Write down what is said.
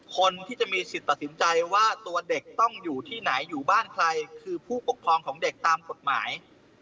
คนที่จะมีสิทธิ์ตัดสินใจว่าตัวเด็กต้องอยู่ที่ไหนอยู่บ้านใครคือผู้ปกครองของเด็กตามกฎหมาย